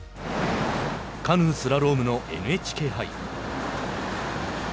カヌースラロームのＮＨＫ杯。